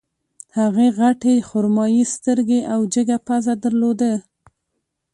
هغې غټې خرمايي سترګې او جګه پزه درلوده